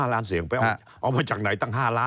๕ล้านเสียงไปเอามาจากไหนตั้ง๕ล้าน